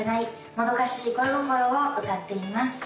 もどかしい恋心を歌っています